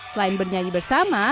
selain bernyanyi bersama